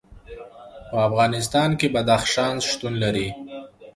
په افغانستان کې بدخشان شتون لري.